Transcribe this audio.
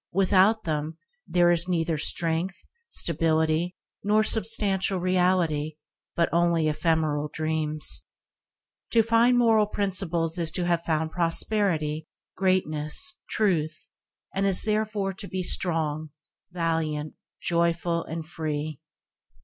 Without them there is neither strength, stability, nor substantial reality, but only ephemeral dreams. To find moral principles is to have found prosperity, greatness, truth, and is therefore to be strong, valiant, joyful and free.